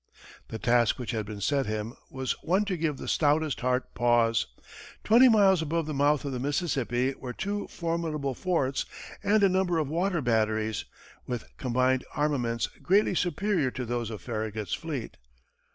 The task which had been set him was one to give the stoutest heart pause. Twenty miles above the mouth of the Mississippi were two formidable forts and a number of water batteries, with combined armaments greatly superior to those of Farragut's fleet.